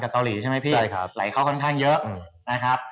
ก็ถือว่ายังมีโฟร์ของการเข้ามาอยู่กันนะครับ